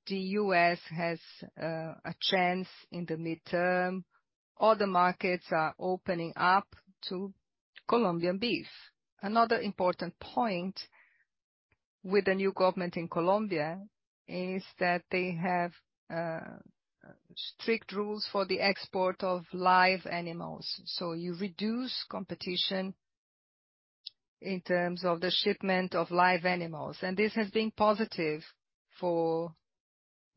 The U.S. has a chance in the midterm. Other markets are opening up to Colombian beef. Another important point with the new government in Colombia is that they have strict rules for the export of live animals. You reduce competition in terms of the shipment of live animals, and this has been positive for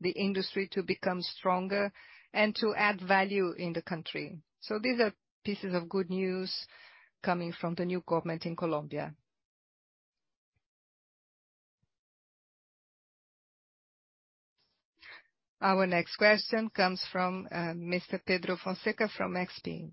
the industry to become stronger and to add value in the country. These are pieces of good news coming from the new government in Colombia. Our next question comes from Mr. Pedro Fonseca from XP.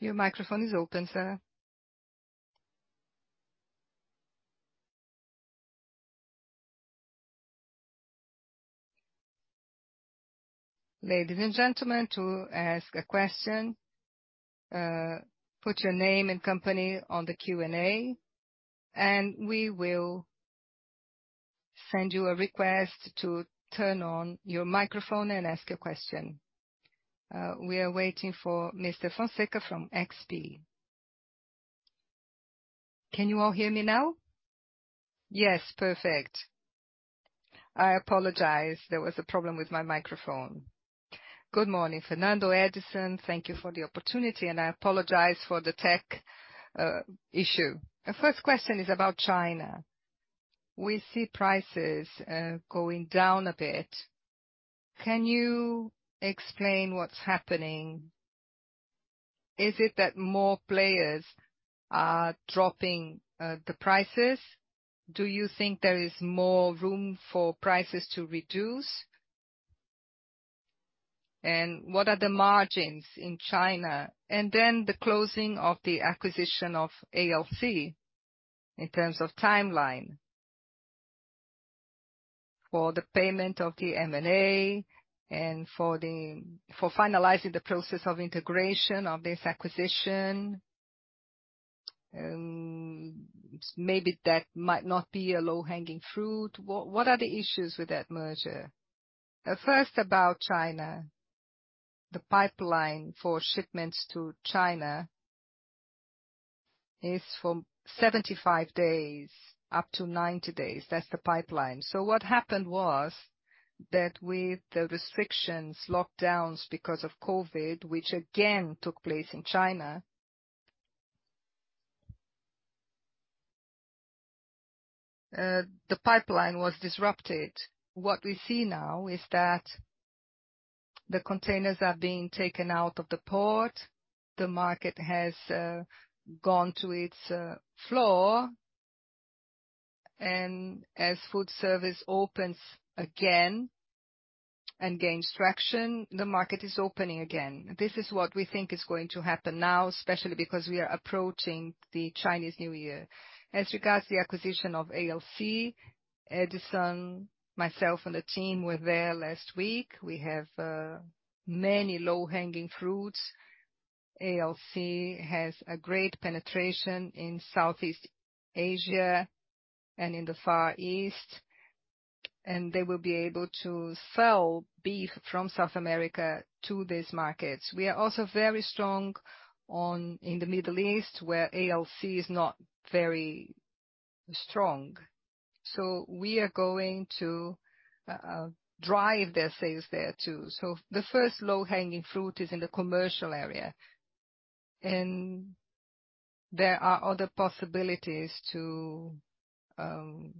Your microphone is open, sir. Ladies and gentlemen, to ask a question, put your name and company on the Q&A, and we will send you a request to turn on your microphone and ask a question. We are waiting for Mr. Fonseca from XP. Can you all hear me now? Yes, perfect. I apologize. There was a problem with my microphone. Good morning, Fernando, Edison. Thank you for the opportunity, and I apologize for the tech issue. The first question is about China. We see prices going down a bit. Can you explain what's happening? Is it that more players are dropping the prices? Do you think there is more room for prices to reduce? And what are the margins in China? Then the closing of the acquisition of ALC in terms of timeline for the payment of the M&A and for finalizing the process of integration of this acquisition. Maybe that might not be a low-hanging fruit. What are the issues with that merger? First about China. The pipeline for shipments to China is from 75-90 days. That's the pipeline. What happened was that with the restrictions, lockdowns because of COVID, which again took place in China, the pipeline was disrupted. What we see now is that the containers are being taken out of the port. The market has gone to its floor, and as food service opens again and gains traction, the market is opening again. This is what we think is going to happen now, especially because we are approaching the Chinese New Year. As regards the acquisition of ALC, Edison, myself and the team were there last week. We have many low-hanging fruits. ALC has a great penetration in Southeast Asia and in the Far East, and they will be able to sell beef from South America to these markets. We are also very strong in the Middle East, where ALC is not very strong. We are going to drive their sales there too. The first low-hanging fruit is in the commercial area, and there are other possibilities to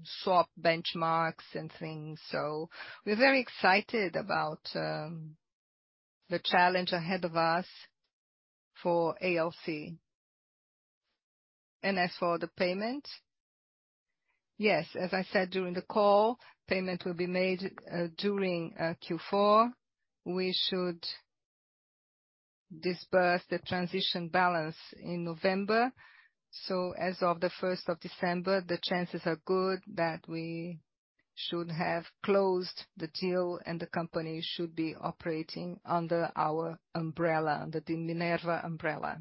swap benchmarks and things. We're very excited about the challenge ahead of us for ALC. As for the payment, yes, as I said during the call, payment will be made during Q4. We should disburse the transaction balance in November. As of the first of December, the chances are good that we should have closed the deal and the company should be operating under our umbrella, under the Minerva umbrella.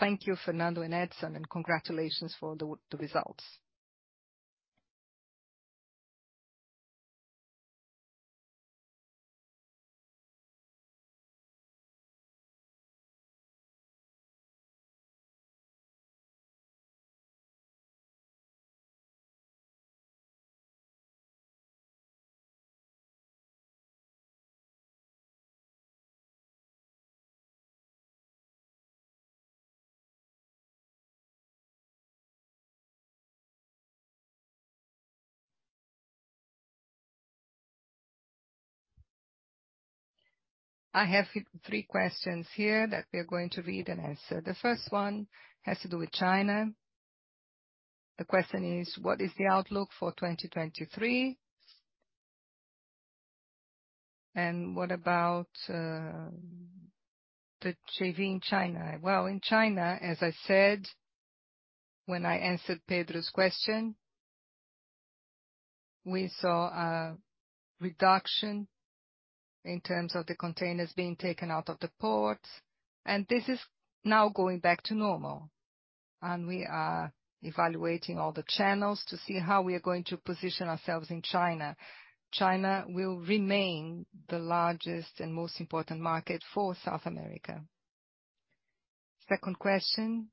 Thank you, Fernando and Edison, and congratulations for the results. I have here three questions here that we're going to read and answer. The first one has to do with China. The question is, what is the outlook for 2023? What about the JV in China? Well, in China, as I said when I answered Pedro's question, we saw a reduction in terms of the containers being taken out of the ports, and this is now going back to normal. We are evaluating all the channels to see how we are going to position ourselves in China. China will remain the largest and most important market for South America. Second question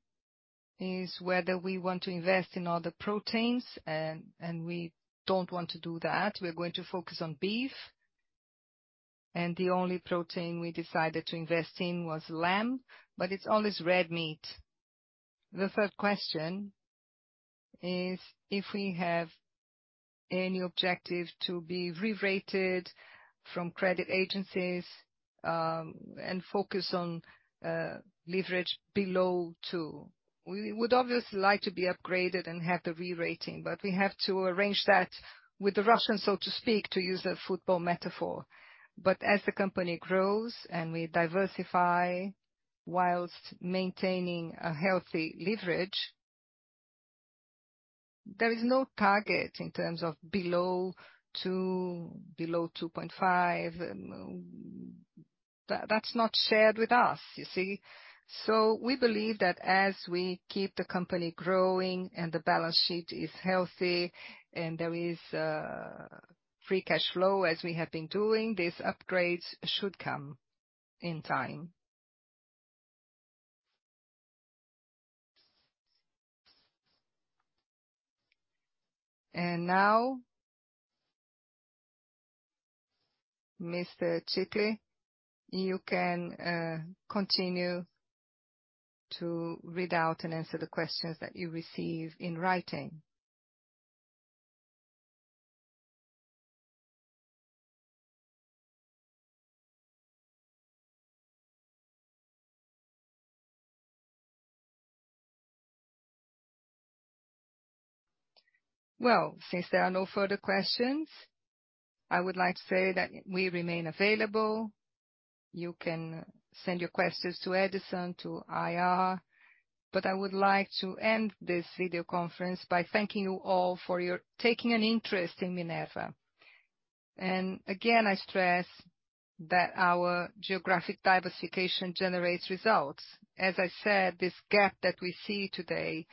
is whether we want to invest in other proteins. We don't want to do that. We're going to focus on beef. The only protein we decided to invest in was lamb, but it's always red meat. The third question is if we have any objective to be rerated from credit agencies and focus on leverage below 2. We would obviously like to be upgraded and have the rerating, but we have to arrange that with the Russian, so to speak, to use a football metaphor. As the company grows and we diversify while maintaining a healthy leverage, there is no target in terms of below 2, below 2.5. That's not shared with us, you see. We believe that as we keep the company growing and the balance sheet is healthy and there is, free cash flow as we have been doing, these upgrades should come in time. Now, Mr. Ticle, you can, continue to read out and answer the questions that you receive in writing. Well, since there are no further questions, I would like to say that we remain available. You can send your questions to Edson, to IR. I would like to end this video conference by thanking you all for your taking an interest in Minerva. Again, I stress that our geographic diversification generates results. As I said, this gap that we see today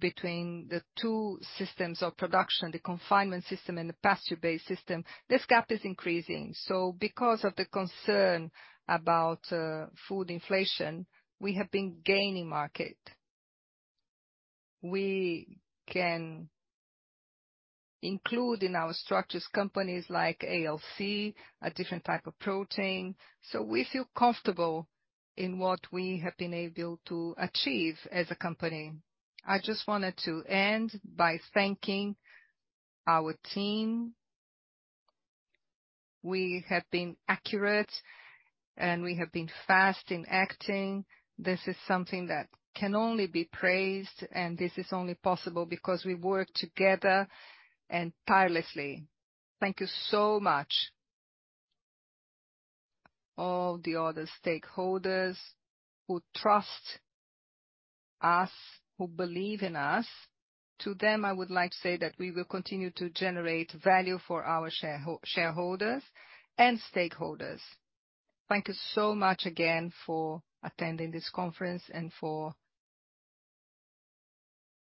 between the two systems of production, the confinement system and the pasture-based system, this gap is increasing. Because of the concern about, food inflation, we have been gaining market. We can include in our structures companies like ALC, a different type of protein. We feel comfortable in what we have been able to achieve as a company. I just wanted to end by thanking our team. We have been accurate and we have been fast in acting. This is something that can only be praised, and this is only possible because we work together and tirelessly. Thank you so much. All the other stakeholders who trust us, who believe in us, to them, I would like to say that we will continue to generate value for our shareholders and stakeholders. Thank you so much again for attending this conference and for.